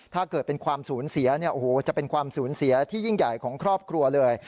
ถ้าเกิดเป็นความสูญเสียเนี่ยโอ้โหจะเป็นความสูญเสียที่ยิ่งใหญ่ของครอบครัวเลย